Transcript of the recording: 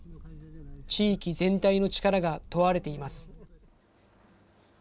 地域全体の力が問われています。